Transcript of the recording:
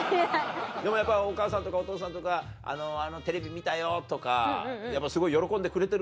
でもやっぱお母さんとかお父さんとかあのテレビ見たよとかすごい喜んでくれてるだろ？